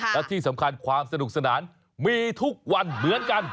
และที่สำคัญความสนุกสนานมีทุกวันเหมือนกัน